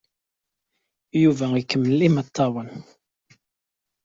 Yuba ikemmel imeṭṭawen.